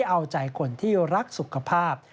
เอาใจคนที่รักสุขภาพ